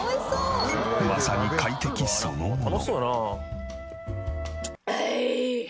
まさに快適そのもの。